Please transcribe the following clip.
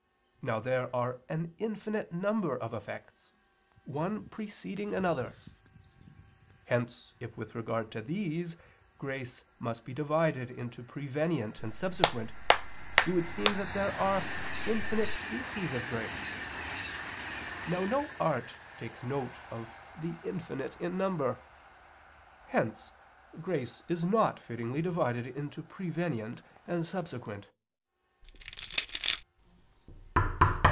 Now there are an infinite number of effects one preceding another. Hence if with regard to these, grace must be divided into prevenient and subsequent, it would seem that there are infinite species of grace. Now no art takes note of the infinite in number. Hence grace is not fittingly divided into prevenient and subsequent.